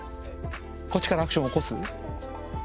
こっちからアクションを起こす？